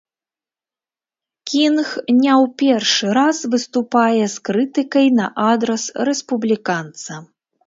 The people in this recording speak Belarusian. Кінг не ў першы раз выступае з крытыкай на адрас рэспубліканца.